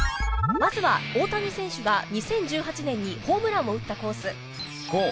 まずは大谷選手が２０１８年にホームランを打ったコース。